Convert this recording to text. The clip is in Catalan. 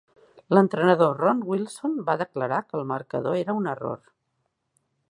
L'entrenador Ron Wilson va declarar que el marcador era un error.